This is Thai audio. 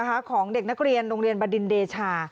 ของเด็กนักเรียนโรงเรียนบดินเดชา